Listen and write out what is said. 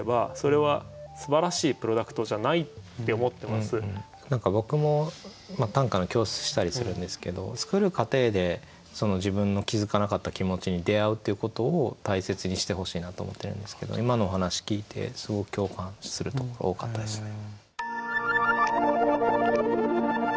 だからあらゆる創作物は言えてて何か僕も短歌の教室したりするんですけど作る過程で自分の気付かなかった気持ちに出会うっていうことを大切にしてほしいなと思ってるんですけど今のお話聞いてすごく共感するところ多かったですね。